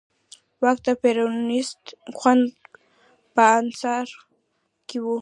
واک د پېرونېست ګوند په انحصار کې و.